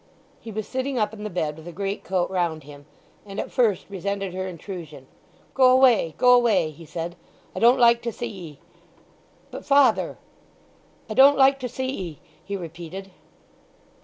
He was sitting up in the bed with a greatcoat round him, and at first resented her intrusion. "Go away—go away," he said. "I don't like to see 'ee!" "But, father—" "I don't like to see 'ee," he repeated.